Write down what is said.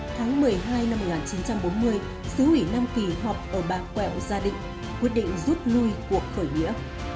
tháng một mươi hai năm một nghìn chín trăm bốn mươi sứ ủy nam kỳ họp ở bạc quẹo gia định quyết định rút lui cuộc khởi nghĩa